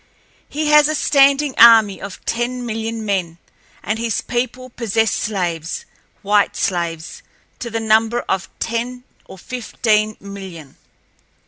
He has a standing army of ten million men, and his people possess slaves—white slaves—to the number of ten or fifteen million.